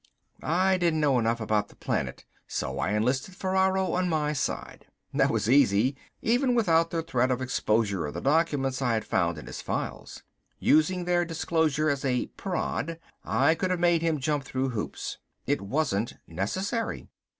I didn't know enough about the planet, so I enlisted Ferraro on my side. This was easy even without the threat of exposure of the documents I had found in his files. Using their disclosure as a prod I could have made him jump through hoops. It wasn't necessary.